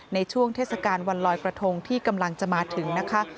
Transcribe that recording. ในช่วงเทศกาลวันลอยกระทงที่กำลังจะมาถึงนะคะ